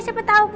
siapa tau bu